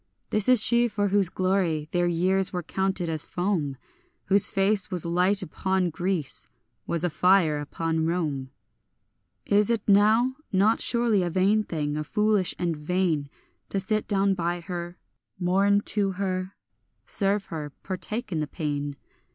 This is she for whose glory their years were counted as foam; Whose face was a light upon Greece, was a fire upon Rome. Is it now not surely a vain thing, a foolish and vain, To sit down by her, mourn to her, serve her, partake in the pain?